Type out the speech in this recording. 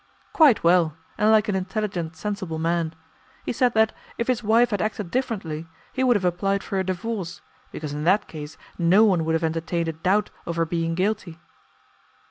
"Quite well, and like an intelligent, sensible man. He said that, if his wife had acted differently, he would have applied for a divorce, because in that case no one would have entertained a doubt of her being guilty."